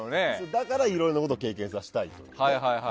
だから、いろいろなことを経験させたいの。